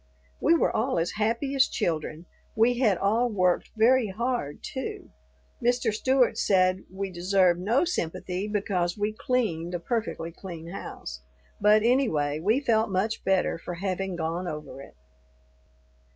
We were all as happy as children; we had all worked very hard, too. Mr. Stewart said we deserved no sympathy because we cleaned a perfectly clean house; but, anyway, we felt much better for having gone over it.